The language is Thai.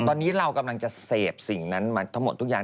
ตอนนี้เรากำลังจะเสพสิ่งนั้นมาทั้งหมดทุกอย่าง